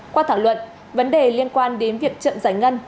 qua thảo luận vấn đề liên quan đến việc chậm giải ngân